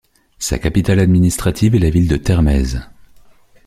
Sa capitale administrative est la ville de Termez.